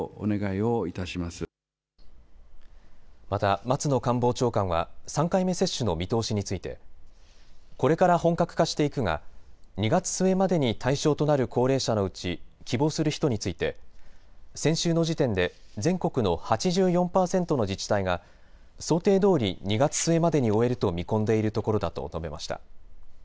また松野官房長官は３回目接種の見通しについてこれから本格化していくが２月末までに対象となる高齢者のうち希望する人について先週の時点で全国の８４％の自治体が想定どおり２月末までに終えると見込んでいるところだと述べました。